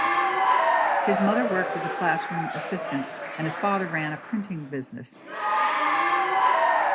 His mother worked as a classroom assistant, and his father ran a printing business.